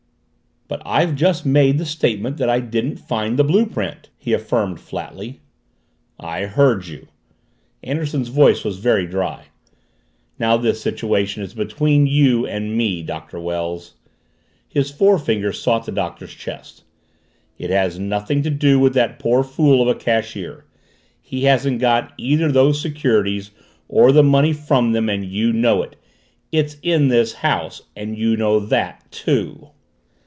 "But I've just made the statement that I didn't find the blue print," he affirmed flatly. "I heard you!" Anderson's voice was very dry. "Now this situation is between you and me, Doctor Wells." His forefinger sought the Doctor's chest. "It has nothing to do with that poor fool of a cashier. He hasn't got either those securities or the money from them and you know it. It's in this house and you know that, too!"